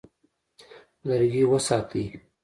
لرګي وساتئ.